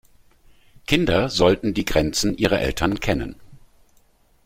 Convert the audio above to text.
Kinder sollten die Grenzen ihrer Eltern kennen.